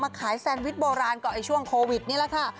ขายแซนวิชโบราณก็ไอ้ช่วงโควิดนี่แหละค่ะ